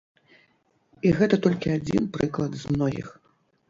І гэта толькі адзін прыклад з многіх.